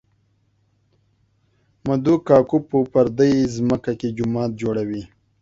مدو کاکو په پردۍ ځمکه کې جومات جوړوي